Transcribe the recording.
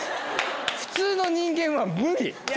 普通の人間は無理！